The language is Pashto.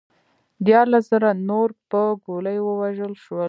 دیارلس زره نور پر ګولیو ووژل شول